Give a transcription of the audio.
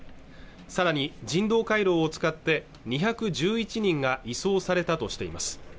さらに人道的回廊を使って２１１人が移送されたとしています